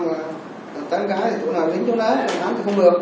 mà tán gái thì tụi nào dính vô lái thì đám thì không được